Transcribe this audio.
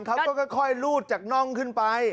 เขาก็ค่อยรูดจากน่องขึ้นไป